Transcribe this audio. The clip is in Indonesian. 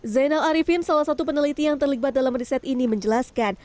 zainal arifin salah satu peneliti yang terlibat dalam riset ini menjelaskan